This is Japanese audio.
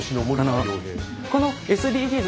このＳＤＧｓ